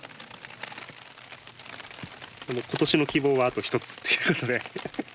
今年の希望はあと１つっていうことで。